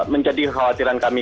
menjadi khawatiran kami